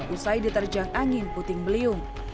usai diterjang angin puting beliung